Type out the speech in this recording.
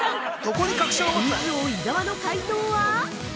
◆クイズ王・伊沢の解答は。